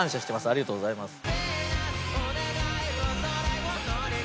ありがとうございます。